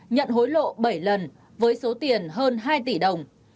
nhận hối lộ bảy lần với số tiền hơn hai tỷ đồng